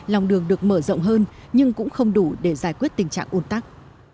lòng đường được mở rộng hơn nhưng cũng không đủ để giải quyết tình trạng ồn tắc